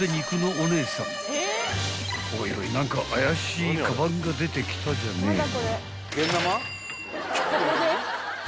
［おいおい何か怪しいかばんが出てきたじゃねえの］